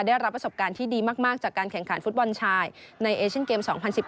ได้รับประสบการณ์ที่ดีมากจากการแข่งขันฟุตบอลชายในเอเชียนเกม๒๐๑๘